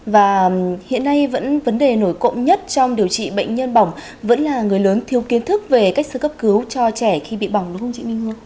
và hiện nay vẫn vấn đề nổi cộng nhất trong điều trị bệnh nhân bỏng vẫn là người lớn thiếu kiến thức về cách sơ cấp cứu cho trẻ khi bị bỏng đúng không chị minh hương